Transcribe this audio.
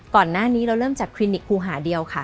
ก่อนหน้านี้เราเริ่มจากคลินิกครูหาเดียวค่ะ